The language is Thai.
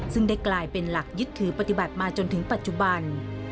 ซึ่งได้กลายเป็นหลักยึดถือปฏิบัติมาจนถึงปัจจุบัน